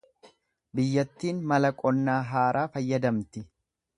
Biyyattiin mala qonnaa haaraa fayyadamti.